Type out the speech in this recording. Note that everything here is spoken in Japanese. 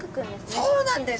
そうなんです！